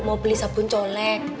mau beli sabun colek